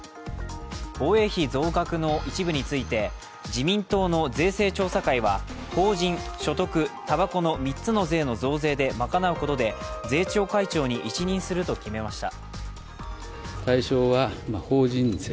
防衛費増額の一部について自民党の税制調査会は法人、所得、たばこの３つの税の増税で賄うことで税調会長に一任すると決めました。